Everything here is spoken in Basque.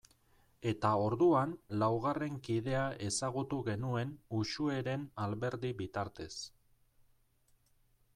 Eta orduan laugarren kidea ezagutu genuen Uxueren Alberdi bitartez.